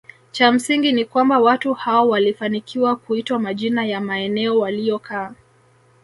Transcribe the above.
Cha msingi ni kwamba watu hao walifanikiwa kuitwa majina ya maeneo waliyokaa